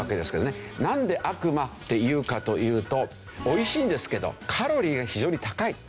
なんで悪魔っていうかというと美味しいんですけどカロリーが非常に高い。